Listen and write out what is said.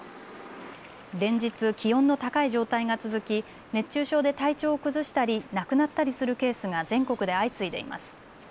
連日、気温の高い状態が続き熱中症で体調を崩したり亡くなったりするケースが全国で相次いでいます。